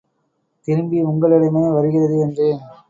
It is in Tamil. திரும்பி உங்களிடமே வருகிறது என்றேன்.